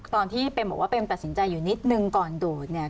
เปมบอกว่าเปมตัดสินใจอยู่นิดนึงก่อนโดดเนี่ย